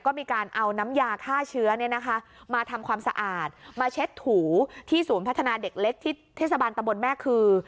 ก็มีการเอาน้ำยาฆ่าเชื้อมาทำความสะอาดมาเช็ดถูที่ศูนย์พัฒนาเด็กเล็กที่เทศบาลตะบนแม่คือ